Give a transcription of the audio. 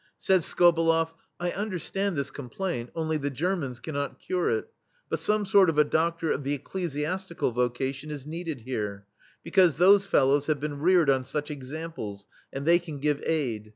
Says SkobelefF: " I understand this complaint, only the Germans cannot cure it; but some sort of a doctor of the ecclesiastical vocation is needed here, because those fellows have been reared on such examples, and they can give aid.